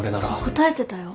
答えてたよ。